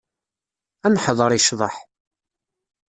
Ad neḥḍer i ccḍeḥ.